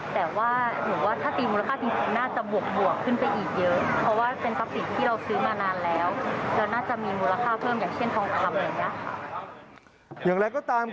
แต่ว่าถ้าตีมูลค่าที่สุดน่าจะบวกขึ้นไปอีกเยอะ